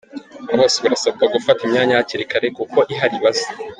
Aba bose barasabwa gufata imyanya hakiri kare kuko ihari ibaze.